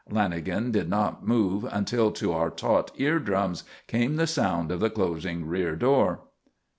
Lanagan did not move until, to our taut ear drums, came the sound of the closing rear door.